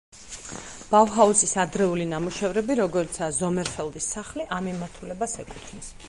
ბაუჰაუზის ადრეული ნამუშევრები, როგორიცაა ზომერფელდის სახლი, ამ მიმართულებას ეკუთვნის.